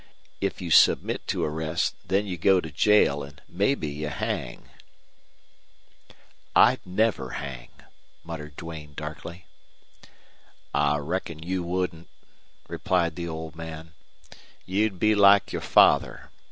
If you submit to arrest, then you go to jail, an' mebbe you hang." "I'd never hang," muttered Duane, darkly. "I reckon you wouldn't," replied the old man. "You'd be like your father.